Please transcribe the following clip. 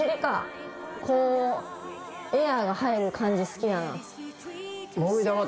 こうエアーが入る感じ好きだな。